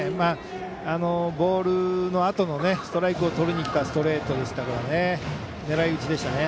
ボールのあとのストライクをとりにきたストレートでしたけど狙い打ちでしたね。